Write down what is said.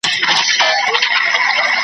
او نورو په درجه ورته قایل دي